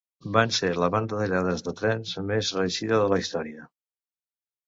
Van ser la banda de lladres de trens més reeixida de la història.